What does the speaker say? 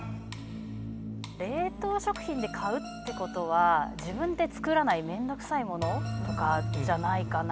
冷凍食品で買うってことは自分で作らないめんどくさい物とかじゃないかな。